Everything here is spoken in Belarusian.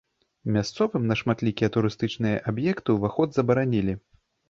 Мясцовым на шматлікія турыстычныя аб'екты ўваход забаранілі.